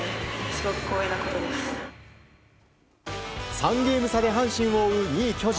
３ゲーム差で阪神を追う２位、巨人。